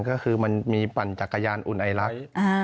ก็คือมันมีปั่นจักรยานอุ่นไอลักษณ์